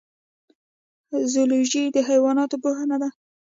زولوژی د حیواناتو پوهنه ده